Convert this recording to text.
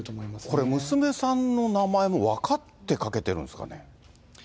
これ、娘さんの名前も分かってかけてるんですかね？